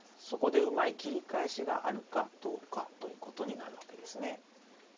そこでうまい切り返しがあるかどうかということになるわけですね。